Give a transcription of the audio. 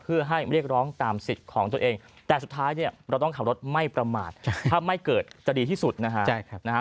เพื่อให้เรียกร้องตามสิทธิ์ของตัวเองแต่สุดท้ายเนี่ยเราต้องขับรถไม่ประมาทถ้าไม่เกิดจะดีที่สุดนะฮะ